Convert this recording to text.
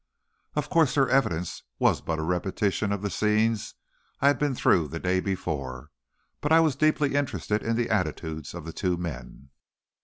Of course, their evidence was but a repetition of the scenes I had been through the day before, but I was deeply interested in the attitudes of the two men.